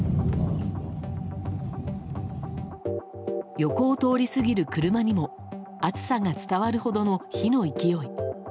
横を通り過ぎる車にも熱さが伝わるほどの火の勢い。